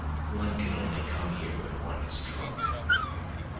One can only come here when one is drunk.